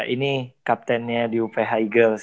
ini kaptennya di up high eagles